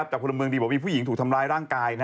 จากผู้ละเมืองดีบอกว่ามีผู้หญิงถูกทำลายร่างกาย